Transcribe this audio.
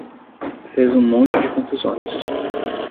Fez um monte de contusões